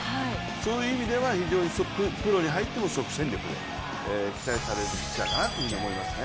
そういう意味では非常にプロに入っても即戦力が期待される逸材かなと思いますね。